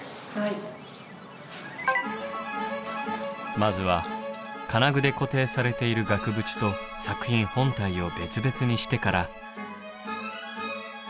まずは金具で固定されている額縁と作品本体を別々にしてから。